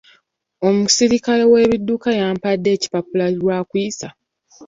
Omuserikale w'ebidduka yampadde ekipapula lwa kuyisa.